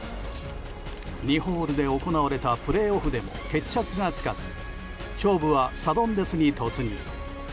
２ホールで行われたプレーオフでも決着がつかず勝負はサドンデスに突入。